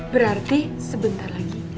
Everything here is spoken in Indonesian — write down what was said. berarti sebentar lagi